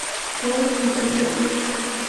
Tour, entre otros.